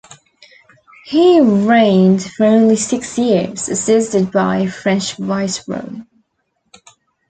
He 'reigned' for only six years, assisted by a French Viceroy.